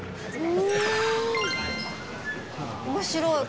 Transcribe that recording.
面白い。